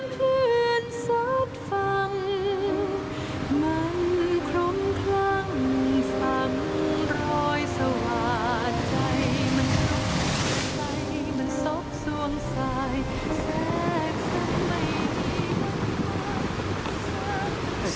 เสียงเพื่อนสัดฟังมันพร้อมพลั้งฟังรอยสวาดใจมันหลบใจมันซบสวงสายแทรกสักไม่ดีมาก